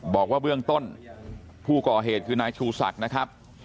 บอกว่าเบื้องต้นผู้ก่อเหตุคือนายชูศักดิ์นะครับ